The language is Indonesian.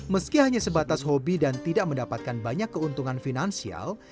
meski hanya sebatas hobi dan tidak mendapatkan banyak keuntungan finansial